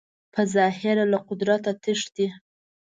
په ظاهره له قدرته تښتي